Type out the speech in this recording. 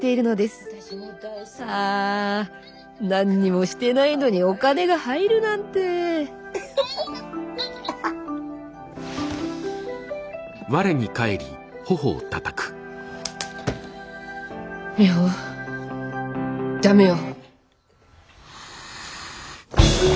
あ何にもしてないのにお金が入るなんてミホダメよ！